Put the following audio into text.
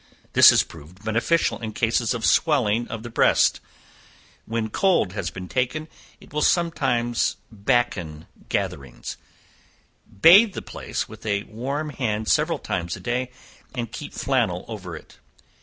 This has proved beneficial in cases of swelling of the breast; when cold has been taken, it will sometimes backen gatherings; bathe the place with a warm hand several times a day, and keep flannel over it.